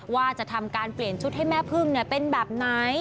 ว่าจะทำการเปลี่ยนชุดให้แม่พึ่งเป็นแบบไหน